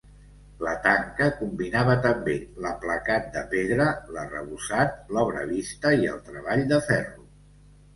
La tanca combinava també l'aplacat de pedra, l'arrebossat, l'obra vista i el treball de ferro.